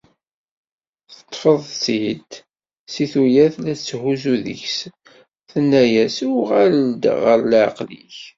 Teṭṭef-it-d seg tuyat la tetthuzzu deg-s, tenn-yas: "Uɣal-d ɣer leεqel-ik!"